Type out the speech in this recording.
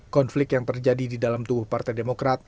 konflik yang terjadi di dalam tubuh partai demokrat